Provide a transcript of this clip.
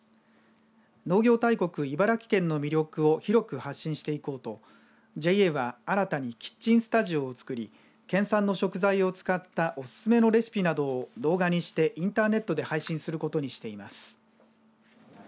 農業大国、茨城県の魅力を広く発信していこうとＪＡは新たにキッチンスタジオをつくり県産の食材を使ったおすすめのレシピなどを動画にしてインターネットで配信することにしています。